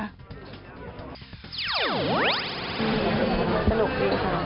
สนุกดีค่ะ